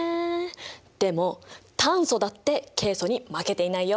でも炭素だってケイ素に負けていないよ。